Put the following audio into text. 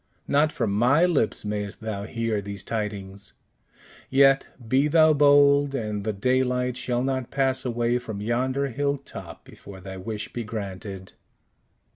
"Not from my lips mayst thou hear these tidings; yet, be thou bold, and the daylight shall not pass away from yonder hill top before thy wish be granted."